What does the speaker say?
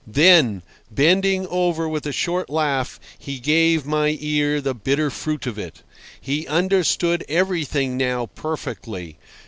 Then, bending over with a short laugh, he gave my ear the bitter fruit of it. He understood everything now perfectly.